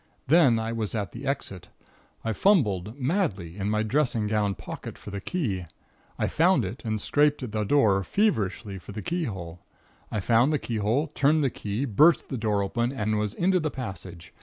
Then I was at the exit. I fumbled madly in my dressing gown pocket for the key. I found it and scraped at the door, feverishly, for the keyhole. I found the keyhole, turned the key, burst the door open, and was into the passage.